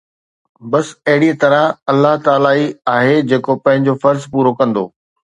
بس اهڙي طرح الله تعاليٰ ئي آهي جيڪو پنهنجو فرض پورو ڪندو